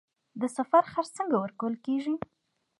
د سفر خرڅ څنګه ورکول کیږي؟